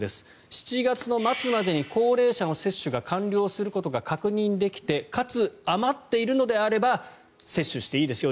７月末までに高齢者の接種が完了することが確認できてかつ余っているのであれば接種していいですよ